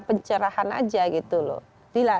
pencerahan aja gitu loh